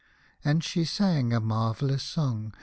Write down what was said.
o And she sang a marvellous song.